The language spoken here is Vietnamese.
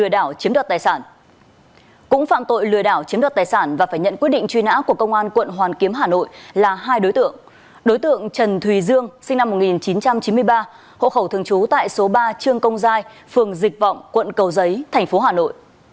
đối tượng trần thùy dương sinh năm một nghìn chín trăm chín mươi ba hộ khẩu thường trú tại số ba trương công giai phường dịch vọng quận cầu giấy thành phố hà nội